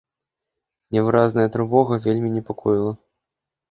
Невыразная трывога вельмі непакоіла.